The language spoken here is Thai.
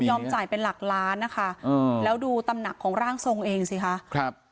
จ่ายเป็นหลักล้านนะคะแล้วดูตำหนักของร่างทรงเองสิคะครับ